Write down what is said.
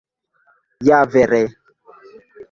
Ja vere!